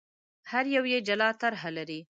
هر یو یې جلا طرح لري.